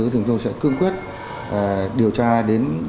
thì chúng tôi sẽ cương quyết điều tra đến